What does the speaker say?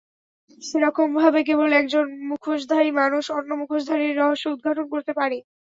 সেরকমভাবে, কেবল একজন মুখোশধারী মানুষ অন্য মুখোশধারীর রহস্য উদঘাটন করতে পারে।